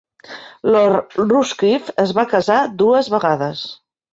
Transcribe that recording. Lord Rushcliffe es va casar dues vegades.